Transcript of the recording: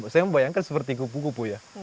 saya membayangkan seperti kupu kupu ya